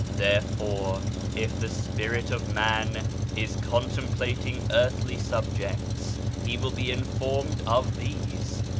There fore if the spirit of man is contemplating earthly subjects he will be informed of these.